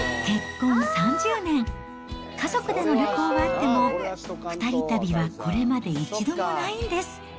結婚３０年、家族での旅行はあっても、２人旅はこれまで一度もないんです。